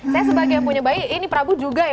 saya sebagai yang punya bayi ini prabu juga ya